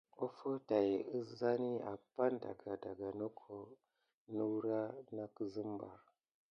Offo tay azani apane daga ɗa naku ne wure na kusim ɓa.